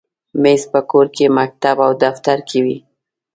مېز په کور، مکتب، او دفتر کې وي.